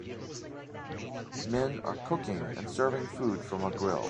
Men are cooking and serving food from a grill.